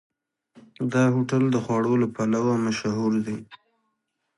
دا هوټل د خوړو له پلوه مشهور دی.